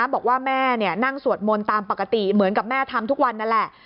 บอกว่าแม่นั่งสวดมนต์ตามปกติเหมือนกับแม่ทำทุกวันนั่นแหละ